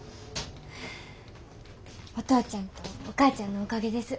お父ちゃんとお母ちゃんのおかげです。